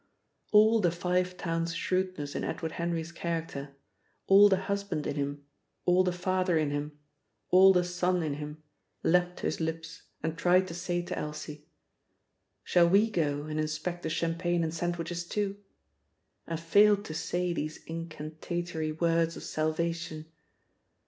All the Five Towns shrewdness in Edward Henry's character, all the husband in him, all the father in him, all the son in him, leapt to his lips and tried to say to Elsie, "Shall we go and inspect the champagne and sandwiches too?" and failed to say these incantatory words of salvation!